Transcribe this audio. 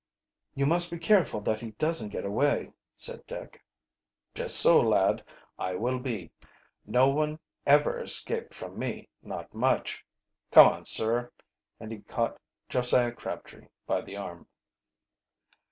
"You must be careful that he doesn't get away," said Dick. "Just so, lad; I will be. No one ever escaped from me, not much! Come on, sir!" And he caught Josiah Crabtree by the arm.